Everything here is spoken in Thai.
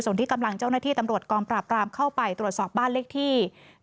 ส่วนที่กำลังเจ้าหน้าที่ตำรวจกองปราบรามเข้าไปตรวจสอบบ้านเลขที่